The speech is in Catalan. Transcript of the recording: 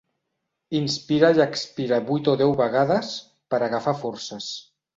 Inspira i expira vuit o deu vegades, per agafar forces.